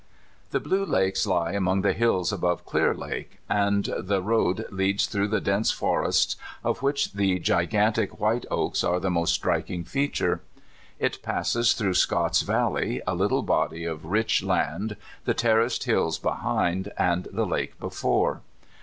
The B]ue Lakes lie among the hills above Clear l^ake, and the road leads through dense forests, of which the gigantic white oaks are the most strik ing feature. It passes through Scott's Valley, a little body of rich laud, the terraced hills behind, and the lake before.